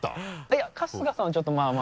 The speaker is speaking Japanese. いや春日さんはちょっとまぁ。